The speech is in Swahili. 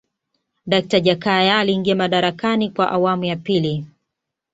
dakta jakaya aliingia madarakani kwa awamu ya pili